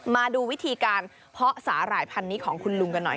มาดูวิธีการเพาะสาหร่ายพันธุ์นี้ของคุณลุงกันหน่อย